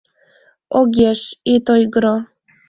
Огеш, ит ойгыро.